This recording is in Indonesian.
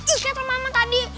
ih kata mama tadi